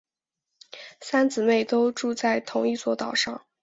三姊妹都住在同一座岛上。